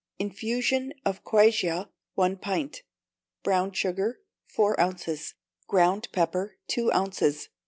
Infusion of quassia, one pint; brown sugar, four ounces; ground pepper, two ounces.